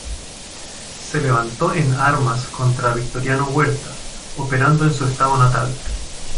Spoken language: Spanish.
Se levantó en armas contra Victoriano Huerta, operando en su estado natal.